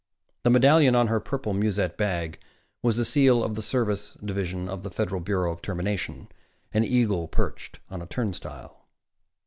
The medallion on her purple musette bag was the seal of the Service Division of the Federal Bureau of Termination, an eagle perched on a turnstile.